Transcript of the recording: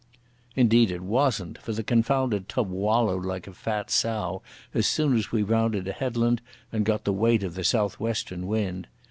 Indeed it wasn't, for the confounded tub wallowed like a fat sow as soon as we rounded a headland and got the weight of the south western wind.